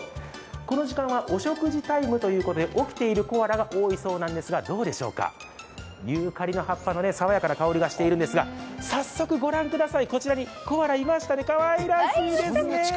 この時間はお食事タイムということで、起きているコアラが多いそうなんですが、どうでしょうか、ユーカリの葉っぱのさわやかな香りがしているんですが早速、ご覧ください